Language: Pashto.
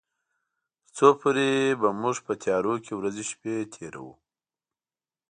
تر څو پورې به موږ په تيارو کې ورځې شپې تيروي.